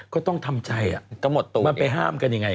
ก็ต้องทำใจมันไปห้ามกันยังไง